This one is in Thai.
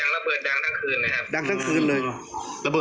ดังเสียงระเบิดดังทักคืนนะครับ